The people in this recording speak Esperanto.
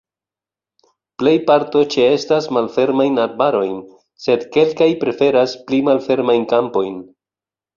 Plej parto ĉeestas malfermajn arbarojn, sed kelkaj preferas pli malfermajn kampojn.